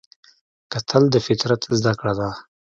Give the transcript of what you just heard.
کتل د فطرت زده کړه ده